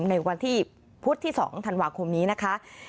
ในวันที่พึธล์ที่๒ธังหวังคมนี้นะคะ